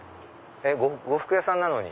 呉服屋さんなのに。